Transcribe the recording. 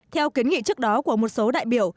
theo kiến nghị trước đó của một số đại biểu